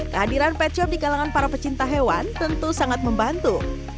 kehadiran pet shop di kalangan para pecinta hewan tentu sangat membantu